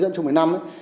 trong một mươi năm